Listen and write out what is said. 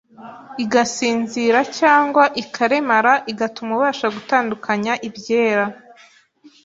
igasinzira, cyangwa ikaremara, igatuma ubasha gutandukanya ibyera